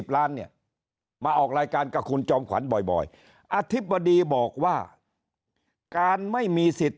เนี่ยมาออกรายการกับคุณจอมขวัญบ่อยอธิบดีบอกว่าการไม่มีสิทธิ์